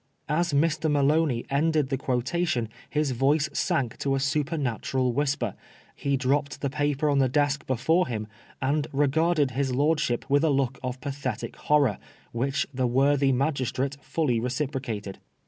As Mr. Maloney ended the quotation his voice sank to a supernatural whisper, he dropped the paper on the desk before him, and regarded his lordship with a look of pathetic horror, which the worthy magistrate fully reciprocated.